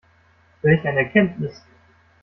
Welch eine Erkenntnis!